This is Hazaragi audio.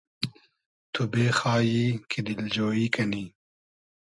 تو بېخایی کی دیلجۉیی کنی